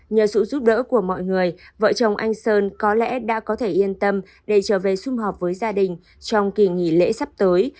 nhờ sự giúp đỡ của mọi người vợ chồng anh sơn có lẽ đã có thể yên tâm để trở về xung họp với gia đình trong kỳ nghỉ lễ sắp tới